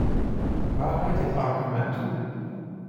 Waar leidt dit argument toe?